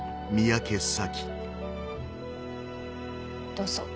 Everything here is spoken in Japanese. どうぞ。